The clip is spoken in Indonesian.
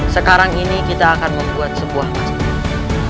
sekarang ini kita akan membuat sebuah masjid